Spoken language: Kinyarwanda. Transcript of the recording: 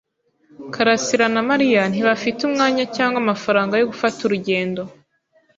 karasira na Mariya ntibafite umwanya cyangwa amafaranga yo gufata urugendo.